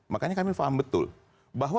makanya kami paham betul bahwa